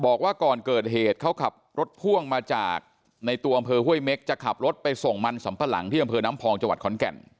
บอกว่าก่อนเกิดเหตุเขากับรถพ่วงมาจากในตัวหัวเอ่ยเมฆจะขับรถไปส่งมันสัมปรังที่ดำพองจังหวัดขอนแก่น